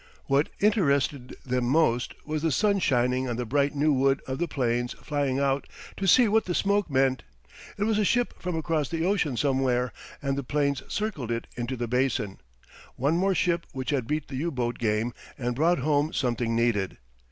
What interested them most was the sun shining on the bright new wood of the planes flying out to see what the smoke meant. It was a ship from across the ocean somewhere, and the planes circled it into the basin one more ship which had beat the U boat game and brought home something needed.